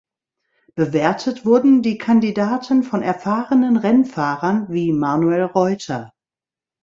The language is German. Bewertet wurden die Kandidaten von erfahrenen Rennfahrern, wie Manuel Reuter.